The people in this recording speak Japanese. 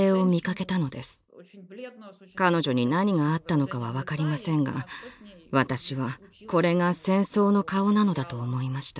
彼女に何があったのかは分かりませんが私はこれが戦争の顔なのだと思いました。